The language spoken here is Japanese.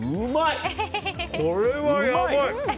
これは、やばい！